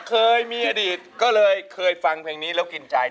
เคยมีอดีตก็เลยเคยฟังเพลงนี้แล้วกินใจ